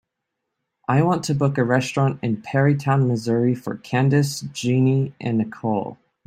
I want to book a restaurantin Perrytown Missouri for candice, jeannie and nichole.